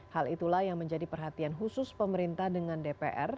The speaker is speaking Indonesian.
hal itulah yang menjadi perhatian khusus pemerintah dengan dpr